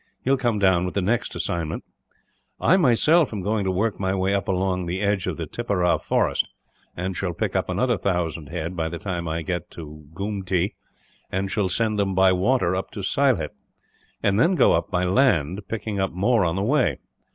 He will come down with the next consignment. "I myself am going to work my way up along the edge of the Tipperah forest; and shall pick up another thousand head, by the time that I get to the Goomtee, and shall send them by water up to Sylhet; and then go up by land, picking up more on the way.